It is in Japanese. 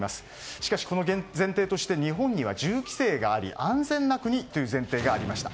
しかし、この前提として日本には銃規制があり安全な国という前提がありました。